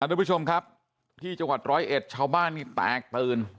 ทุกผู้ชมครับที่จังหวัดร้อยเอ็ดชาวบ้านนี่แตกตื่น